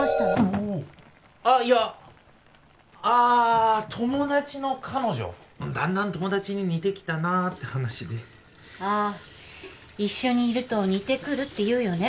おおっああいやああ友達の彼女だんだん友達に似てきたなって話でああ一緒にいると似てくるっていうよね